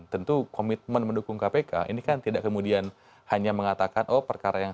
tentu komitmen mendukung kpk ini kan tidak kemudian hanya mengatakan oh perkara yang